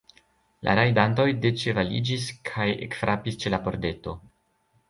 La rajdantoj deĉevaliĝis kaj ekfrapis ĉe la pordeto.